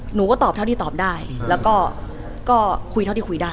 หนูก็ตอบเท่าที่ตอบได้แล้วก็คุยเท่าที่คุยได้